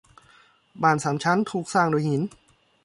บ้านสามชั้นถูกสร้างด้วยหิน